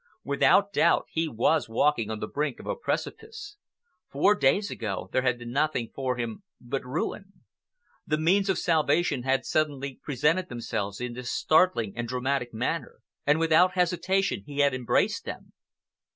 Without doubt he was walking on the brink of a precipice. Four days ago there had been nothing for him but ruin. The means of salvation had suddenly presented themselves in this startling and dramatic manner, and without hesitation he had embraced them.